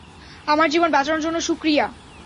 আমার জীবন বাঁচানোর জন্য শুকরিয়া।